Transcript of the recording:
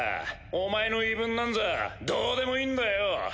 お前の言い分なんざどうでもいいんだよ。